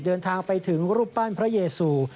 เดินทางไปถึงรูปปั้นพระเยซู